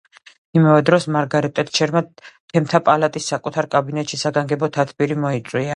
იმავე დღეს მარგარეტ ტეტჩერმა, თემთა პალატის საკუთარ კაბინეტში საგანგებო თათბირი მოიწვია.